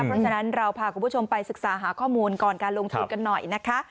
เพราะฉะนั้นเราพาคุณผู้ชมไปศึกษาหาข้อมูลก่อนการลงทุนกันหน่อยนะคะ